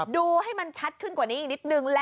ดูให้มันชัดขึ้นกว่านี้อีกนิดนึง